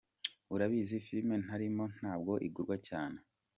"Urabizi, filime ntarimo ntabwo igurwa cyane.